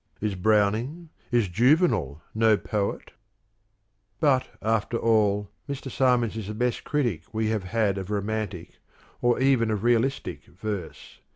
is Browning, is Juvenal no poet ? But, after all, Mr. Symons is the best critic we have had of Romantic, and even of Realistic, verse.